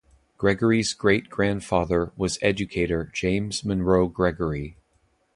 Gregory's great-grandfather was educator James Monroe Gregory.